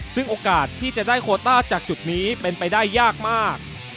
ซึ่งโอกาสที่จะได้โคต้าจากจุดนี้เป็นไปได้ยากมาก